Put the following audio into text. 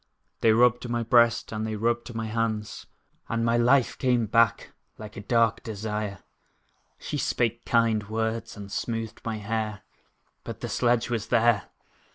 They rubbed my breast, and they rubbed my hands, And my life came back like a dark desire. She spake kind words, and smoothed my hair, But the sledge was there!